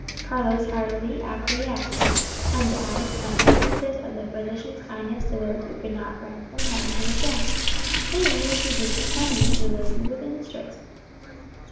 Carlos heartily acquiesced, and added some instances of the physician's kindness to those who could not recompense him again. They were new to his companion, who listened with interest.